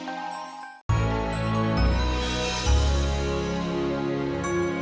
aku sudah berusaha untuk mengatasi